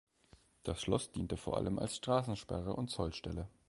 Das Schloss diente vor allem als Straßensperre und Zollstelle.